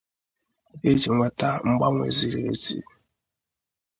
iji weta mgbanwe ziri ezi